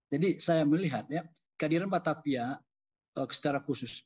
jadi saya melihat kehadiran batavia secara khusus